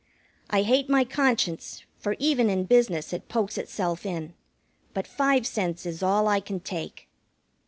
"I hate my conscience, for even in business it pokes itself in. But five cents is all I can take."